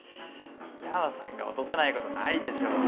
緋山さんが落とせないことないでしょ。